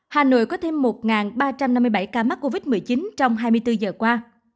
hà nội có thêm một ba trăm năm mươi bảy ca mắc covid một mươi chín trong hai mươi bốn giờ qua